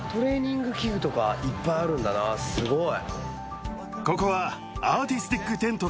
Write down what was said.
すごい。